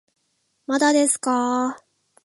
まだですかー